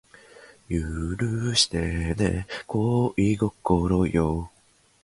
僕は唾液で湿ったフィルターを咥え、考える。何も思い浮かばない。